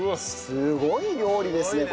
すごい料理ですね